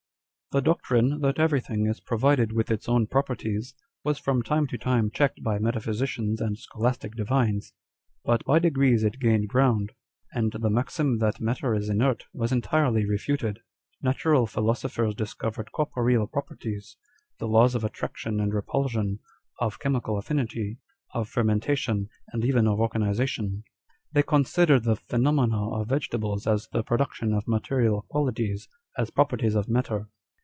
" The doctrine, that everything is provided with its own properties, was from time to time checked by metaphysicians and scholastic divines ; but by degrees it gained ground, and the maxim that matter is inert was entirely refuted. Natural philosophers discovered corporeal properties, the laws of attraction and repulsion, of chemical affinity, of fermentation, and even of organization. They considered the phenomena of vegetables as the production of material qualities â€" as properties of matter.